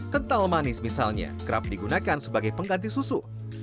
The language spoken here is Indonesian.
kental manis misalnya kerap digunakan sebagai pengganti susu